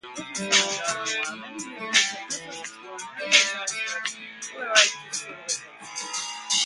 Many nuclear-tipped missiles explode on Earth which adds to the Bulerite destabilization.